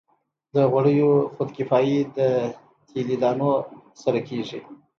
د غوړیو خودکفايي د تیلي دانو سره کیږي.